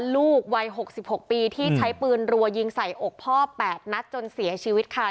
ลูกวัย๖๖ปีที่ใช้ปืนรัวยิงใส่อกพ่อ๘นัดจนเสียชีวิตค่ะ